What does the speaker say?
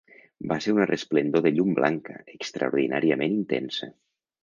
Va ser una "resplendor de llum blanca" extraordinàriament intensa.